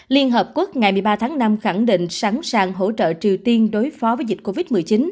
liên hợp quốc ngày một mươi ba tháng năm khẳng định sẵn sàng hỗ trợ triều tiên đối phó với dịch covid một mươi chín